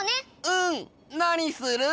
うんなにする？